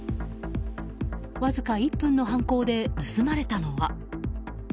わずか１分の犯行で盗まれたのは。